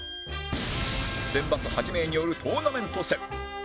選抜８名によるトーナメント戦